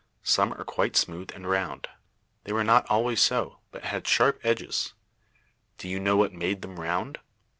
Some are quite smooth and round. They were not always so, but had sharp edges. Do you know what made them round?